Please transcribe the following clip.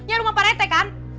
ya rumah parete kan